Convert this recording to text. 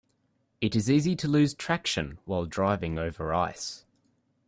It is easy to lose traction while driving over ice.